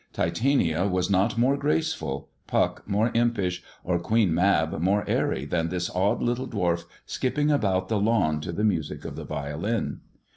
Titania was not more graceful. Puck more impish, or Queen Mab more airy than this odd little dwarf skipping about the lawn to the music of the violin.